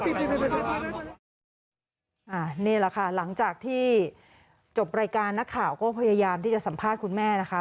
นี่แหละค่ะหลังจากที่จบรายการนักข่าวก็พยายามที่จะสัมภาษณ์คุณแม่นะคะ